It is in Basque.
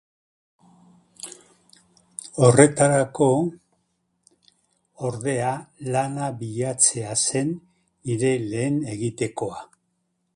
Horretarako, ordea, lana bilatzea zen nire lehen egitekoa.